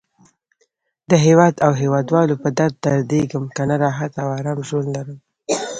د هیواد او هیواد والو په درد دردېږم. کنه راحته او آرام ژوند لرم.